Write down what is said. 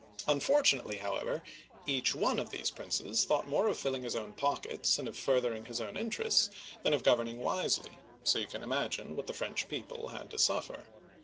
Unfortunately, however, each one of these princes thought more of filling his own pockets and of furthering Digiti: zed by Google CHARLES VI. (1380 1422) 173 his own interests, than of governing wisely, so you can imagine what the French pieople had to suffer.